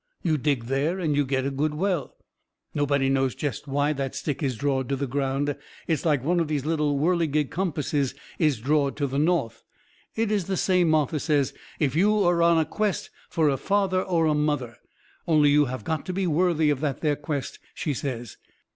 You dig there and you get a good well. Nobody knows jest why that stick is drawed to the ground. It is like one of these little whirlygig compasses is drawed to the north. It is the same, Martha says, if you is on a quest fur a father or a mother, only you have got to be worthy of that there quest, she says.